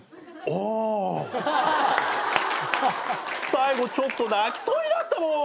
最後ちょっと泣きそうになったもん。